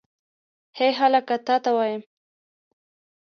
هې هلکه تا ته وایم.